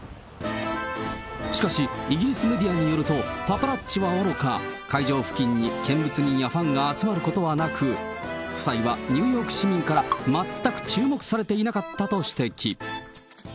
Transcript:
しかし、イギリスメディアによると、パパラッチはおろか、会場付近に見物人やファンが集まることはなく、夫妻はニューヨーク市民から全く注目されていなかったと指摘。